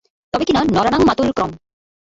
তবে কিনা, নরাণাং মাতুলক্রমঃ।